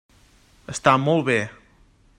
Està molt bé.